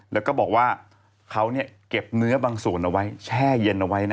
แล้วก็บอกว่าเขาเก็บเนื้อบางส่วนเอาไว้แช่เย็นเอาไว้นะ